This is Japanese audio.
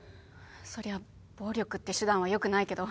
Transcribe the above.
そりゃ暴力って手段はよくないけど。